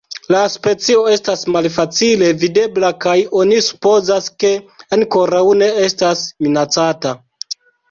La specio estas malfacile videbla kaj oni supozas, ke ankoraŭ ne estas minacata.